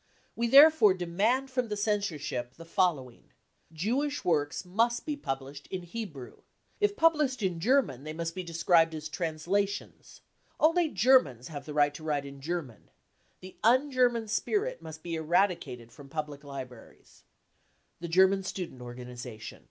We therefore demand from the censorship the following : Jewish works must be published in Hebrew. If published in German, they fhust be described as translations. Only Germans have 190 BROWN BOOK OF THE HITLER TERROR the right to write in German. The un German spirit must be eradicated from public libraries ... The German Student Organisation.